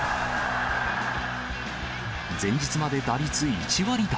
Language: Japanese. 前日まで打率１割台。